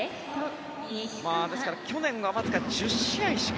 ですから去年はわずか１０試合しか。